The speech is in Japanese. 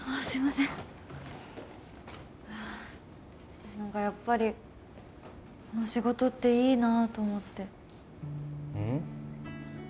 すいません何かやっぱりこの仕事っていいなと思ってうん？